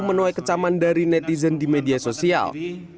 menuai kecaman dari netizen di media sosial